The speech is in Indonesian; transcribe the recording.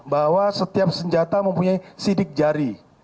bahwa setiap senjata mempunyai sidik jari